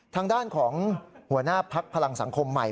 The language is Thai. ทางด้านของหัวหน้าพักพลังสังคมใหม่